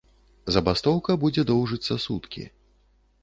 Забастоўка будзе доўжыцца суткі.